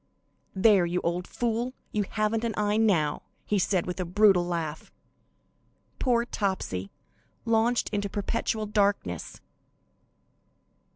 "There, you old fool, you haven't any eye now!" he said, with a brutal laugh. Poor Topsy, launched into perpetual darkness!